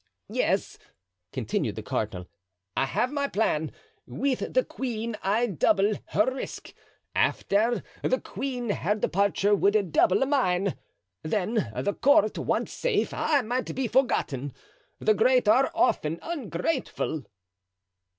"Yes," continued the cardinal. "I have my plan. With the queen I double her risk; after the queen her departure would double mine; then, the court once safe, I might be forgotten. The great are often ungrateful."